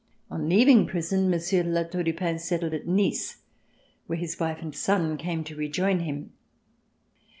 On leaving prison. Monsieur de La Tour du Pin settled at Nice, where his wife and son came to rejoin him.